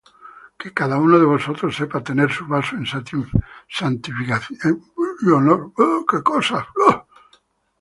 Que cada uno de vosotros sepa tener su vaso en santificación y honor;